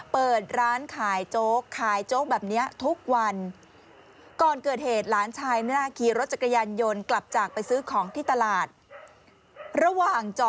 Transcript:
เปิดร้านขายโจ๊กขายโจ๊กแบบนี้ทุกวัน